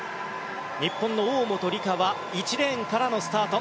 日本の大本里佳は１レーンからのスタート。